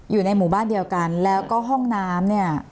อยู่ในหมู่บ้านเดียวกันแล้วก็ห้องน้ำเนี่ย